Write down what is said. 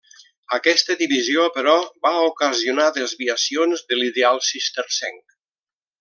Aquesta divisió, però, va ocasionar desviacions de l'ideal cistercenc.